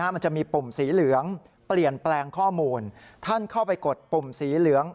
มันจะมีปุ่มสีเหลืองเปลี่ยนแปลงข้อมูลท่านเข้าไปกดปุ่มสีเหลือง